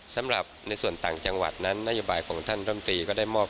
สำหรับในส่วนต่างจังหวัดนั้นนโยบายของท่านรำตรีก็ได้มอบ